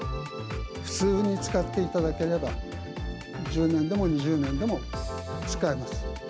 普通に使っていただければ、１０年でも２０年でも、使えます。